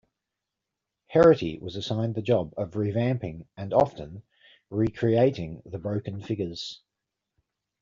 Heraty was assigned the job of revamping and often, recreating the broken figures.